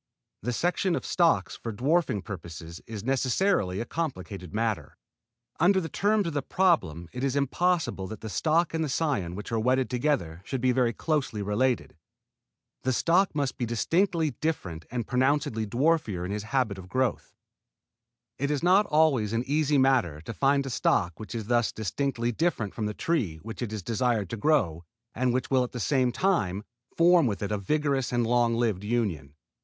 The selection of stocks for dwarfing purposes is necessarily a complicated matter. Under the terms of the problem it is impossible that the stock and the cion which are wedded together should be very closely related. The stock must be distinctly different and pronouncedly dwarfer in his habit of growth. It is not always an easy matter to find a stock which is thus distinctly different from the tree which it is desired to grow and which will at the same time form with it a vigorous and long lived union.